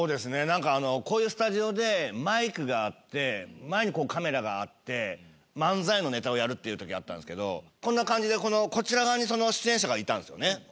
なんかこういうスタジオでマイクがあって前にこうカメラがあって漫才のネタをやるっていう時があったんですけどこんな感じでこちら側に出演者がいたんですよね。